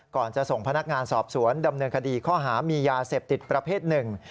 ก่อนจะส่งพนักงานสอบสวนดำเนินคดีข้อหามียาเสพติดประเภทหนึ่ง